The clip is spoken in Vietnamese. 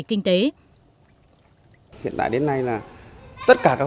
kinh tế hiện tại đến nay là tất cả các